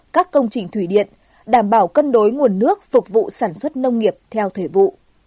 các công trình thủy điện đảm bảo cân đối nguồn nước phục vụ sản xuất nông nghiệp theo thể vụ